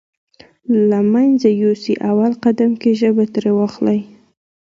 له منځه يوسې اول قدم کې ژبه ترې واخلئ.